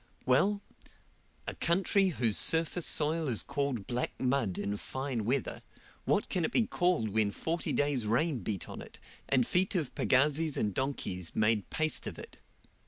Well, a country whose surface soil is called black mud in fine weather, what can it be called when forty days' rain beat on it, and feet of pagazis and donkeys make paste of it?